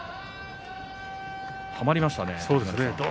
はまりましたね。